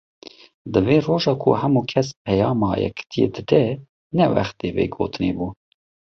Di vê roja ku hemû kes peyama yekitiyê dide, ne wextê vê gotinê bû.